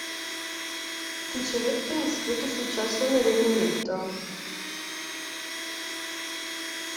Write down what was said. Ricevette un discreto successo nel Regno Unito.